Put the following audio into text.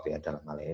di dalam hal ini